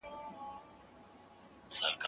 دا امادګي له هغه ګټور دی!؟